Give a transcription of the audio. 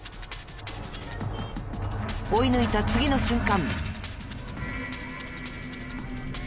追い抜いた次の瞬間。